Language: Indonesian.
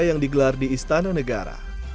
yang digelar di istana negara